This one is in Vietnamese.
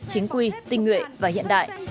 chính quy tinh nguyện và hiện đại